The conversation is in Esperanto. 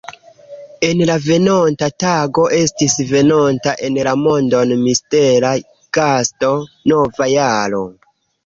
En la venonta tago estis venonta en la mondon mistera gasto: nova jaro.